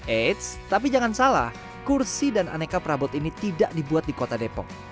eits tapi jangan salah kursi dan aneka perabot ini tidak dibuat di kota depok